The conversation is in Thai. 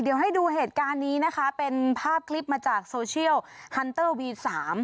เดี๋ยวให้ดูเหตุการณ์นี้นะคะเป็นภาพคลิปมาจากโซเชียลฮันเตอร์วีสาม